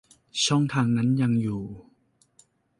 ช่องทางนั้นยังอยู่